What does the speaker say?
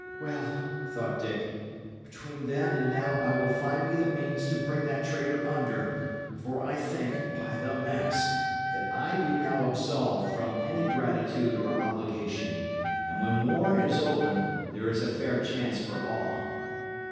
"Well," thought Dick, "between then and now I will find me the means to bring that traitor under; for I think, by the mass, that I be now absolved from any gratitude or obligation; and when war is open, there is a fair chance for all."